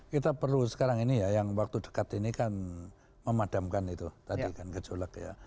kita perlu sekarang ini ya yang waktu dekat ini kan memadamkan itu tadi kan gejolak ya